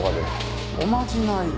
おまじない？